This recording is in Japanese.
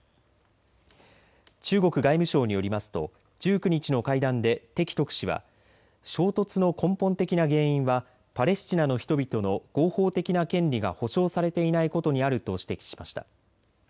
中国外務省によりますと１９日の会談でてき特使は衝突の根本的な原因はパレスチナの人々の合法的な権利が保障されていないことにあると指摘しました。